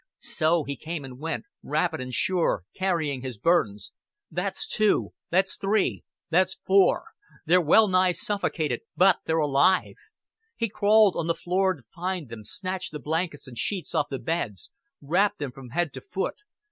So he came and went, rapid and sure, carrying his burdens. "That's two.... That's three.... That's four. They're well nigh suffocated but they're alive." He crawled on the floor to find them, snatched the blankets and sheets off the beds, wrapped them from head to foot.